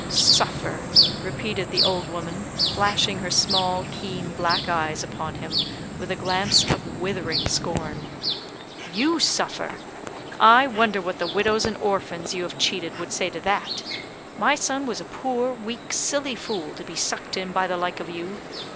"Suffer!" repeated the old woman, flashing her small, keen black eyes upon him with a glance of withering scorn. "You suffer! I wonder what the widows and orphans you have cheated would say to that? My son was a poor, weak, silly fool, to be sucked in by the like of you.